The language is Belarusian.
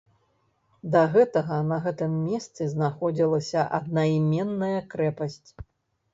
Да гэтага на гэтым месцы знаходзілася аднайменная крэпасць.